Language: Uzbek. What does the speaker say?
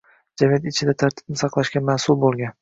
jamiyat ichida tartibni saqlashga mas’ul bo‘lgan